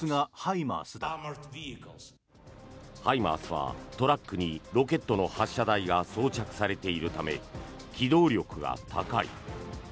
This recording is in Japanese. ＨＩＭＡＲＳはトラックにロケットの発射台が装着されているため機動力が高い。